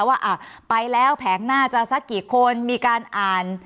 ว่าไปแล้วแผงน่าจะสักกี่คนมีการอ่าน